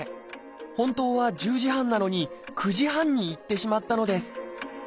本当は１０時半なのに９時半に行ってしまったのです